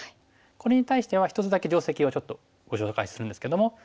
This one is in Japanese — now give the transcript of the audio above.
これに対しては１つだけ定石をちょっとご紹介するんですけども。